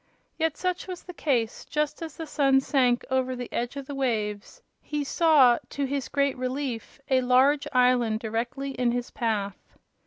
Yet such was the case; just as the sun sank over the edge of the waves he saw, to his great relief, a large island directly in his path.